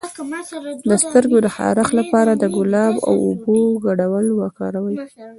د سترګو د خارښ لپاره د ګلاب او اوبو ګډول وکاروئ